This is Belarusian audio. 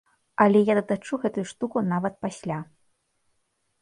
Але я датачу гэтую штуку нават пасля.